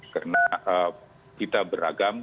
karena kita beragam dan kita beragam